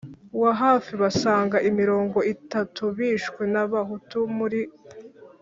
wa hafi basaga mirongo itatu. bishwe n'abahutu! muri